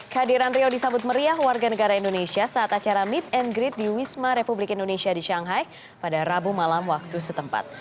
kehadiran rio disambut meriah warga negara indonesia saat acara meet and greet di wisma republik indonesia di shanghai pada rabu malam waktu setempat